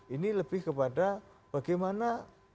ini lebih kepada bagaimana